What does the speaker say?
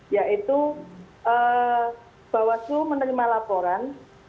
yaitu bawas itu menerima laporan